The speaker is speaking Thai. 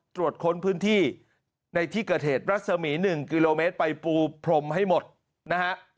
ตรวจค้นพื้นที่ในที่เกิดเหตุรัศมี๑กิโลเมตรไปปูพรมให้หมดนะฮะ